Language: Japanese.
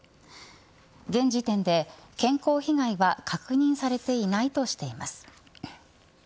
現時点で健康被害は確認されていないとしています。